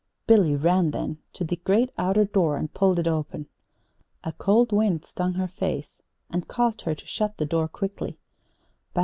Billy ran then to the great outer door and pulled it open. A cold wind stung her face, and caused her to shut the door quickly.